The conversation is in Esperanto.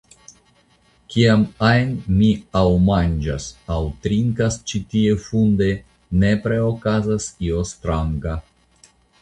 Kiam ajn mi aŭ manĝas aŭ trinkas ĉi tie funde, nepre okazas io stranga.